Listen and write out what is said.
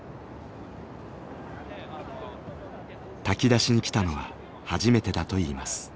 炊き出しに来たのは初めてだといいます。